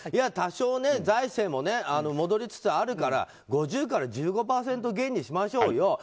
多少財政も戻りつつあるから５０から１５％減にしましょうよ。